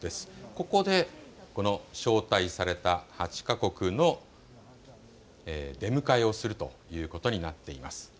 ここでこの招待された８か国の出迎えをするということになっています。